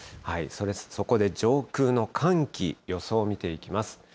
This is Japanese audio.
そこで上空の寒気、予想見ていきます。